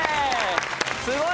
すごい！